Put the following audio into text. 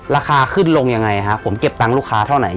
ราคาขึ้นลงยังไงฮะผมเก็บตังค์ลูกค้าเท่าไหน